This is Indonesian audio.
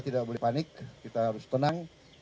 tidak boleh panik kita harus tenang